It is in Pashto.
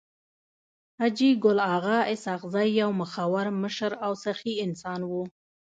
حاجي ګل اغا اسحق زی يو مخور مشر او سخي انسان وو.